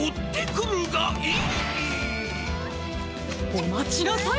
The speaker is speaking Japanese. おまちなさい！